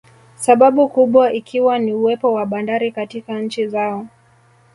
Sababu kubwa ikiwa ni uwepo wa bandari katika nchi zao